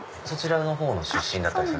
そちらのほうの出身ですか？